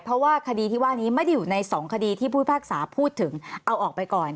เพราะว่าคดีที่ว่านี้ไม่ได้อยู่ในสองคดีที่ผู้พิพากษาพูดถึงเอาออกไปก่อน